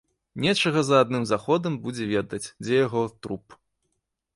Нечага за адным заходам будзе ведаць, дзе яго труп.